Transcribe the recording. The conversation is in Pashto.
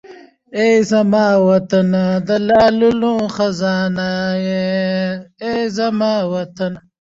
اې زما وطنه د لالونو خزانې زما